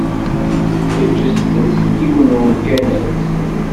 Eǧǧet-tt deg yiwen n umkan iqedsen.